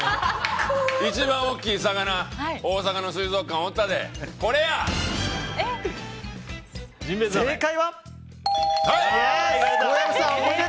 一番大きい魚大阪の水族館におったで。